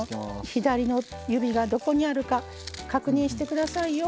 左の指がどこにあるか確認してくださいよ。